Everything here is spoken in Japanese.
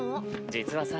実はさ